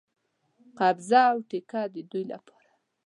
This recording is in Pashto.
قبضه او ټیکه د دوی لپاره.